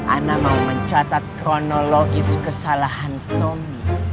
ana mau mencatat kronologis kesalahan tommy